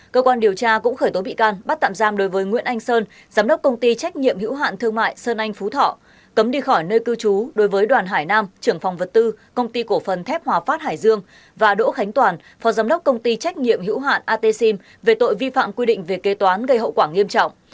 cơ quan điều tra cũng khởi tố bị can bắt tạm giam đối với nguyễn anh sơn giám đốc công ty trách nhiệm hữu hạn thương mại sơn anh phú thọ cấm đi khỏi nơi cư trú đối với đoàn hải nam trưởng phòng vật tư công ty cổ phần thép hòa phát hải dương và đỗ khánh toàn phó giám đốc công ty trách nhiệm hữu hạn atexim về tội vi phạm quy định về kế toán gây hậu quả nghiêm trọng